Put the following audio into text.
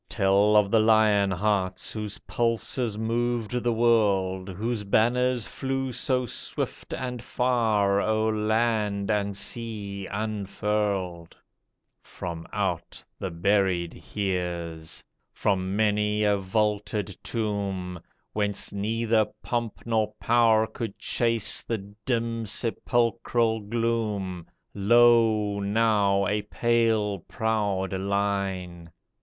Tell of the lion hearts Whose pulses moved the world ; Whose banners flew so swift and far, O'er land and sea unfurled ! From out the buried years. From many a vaulted tomb. Whence neither pomp nor power could chase The dim, sepulchral gloom, Lo, now, a pale, proud line.